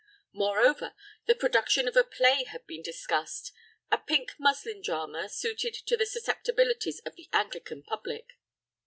Moreover, the production of a play had been discussed, a pink muslin drama suited to the susceptibilities of the Anglican public.